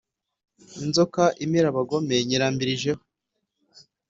inzoka imira abagome nyirambirije ho.